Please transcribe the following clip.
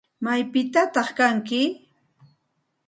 ¿Maypitataq kanki?